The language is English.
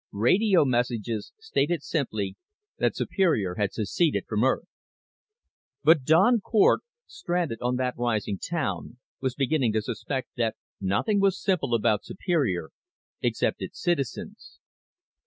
Radio messages stated simply that Superior had seceded from Earth. But Don Cort, stranded on that rising town, was beginning to suspect that nothing was simple about Superior except its citizens.